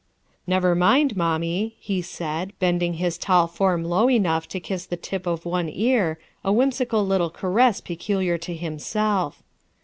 "Never mind, mommic," he said, bending his tall form low enough to kiss the tip of one ear — a whimsical little caress peculiar to him self.